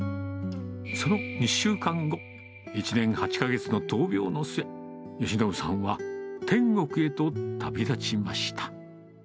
その２週間後、１年８か月の闘病の末、義信さんは天国へと旅立ちました。